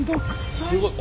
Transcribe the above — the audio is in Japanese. すごい。